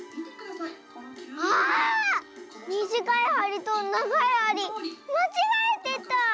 ああっ⁉みじかいはりとながいはりまちがえてた！